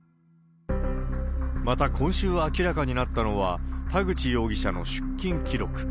また、今週明らかになったのは、田口容疑者の出金記録。